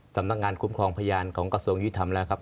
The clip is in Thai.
สำนักงานคุ้มครองพยานของกระทรวงยุทธรรมแล้วครับ